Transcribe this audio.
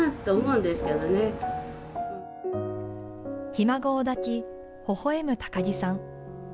ひ孫を抱き、ほほ笑む高木さん。